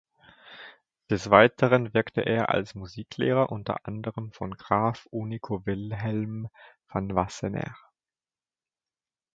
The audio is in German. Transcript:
Des Weiteren wirkte er als Musiklehrer, unter anderem von Graf Unico Wilhelm van Wassenaer.